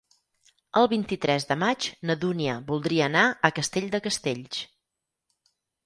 El vint-i-tres de maig na Dúnia voldria anar a Castell de Castells.